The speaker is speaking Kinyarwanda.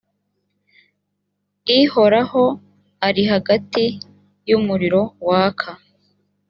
ihoraho ari hagati y’umuriro waka;